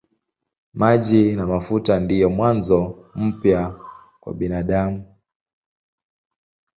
Maji na mafuta ndiyo mwanzo mpya kwa binadamu.